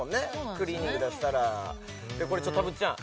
クリーニング出したらこれたぶっちゃん